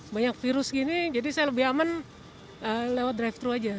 banyak virus gini jadi saya lebih aman lewat drive thru aja